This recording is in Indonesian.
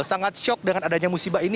sangat shock dengan adanya musibah ini